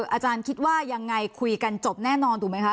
อาจารย์คิดว่าง่ายอะไรคุยกันจบแน่นอนถูกมั้ยคะ